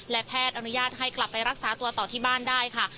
และแพทย์อนุญาตให้กลับไปรักษาตัวต่อที่บ้านได้ค่ะ